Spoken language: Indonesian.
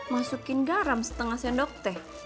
masukin garam setengah sendok teh